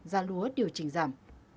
giá lúa điều chỉnh giảm